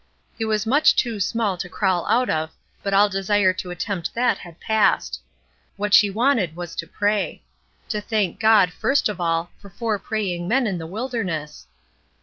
It was much too small to crawl out of, but all desire to attempt that had passed. What she wanted was to pray. To thank God, first of all, for four praying men in the wilderness.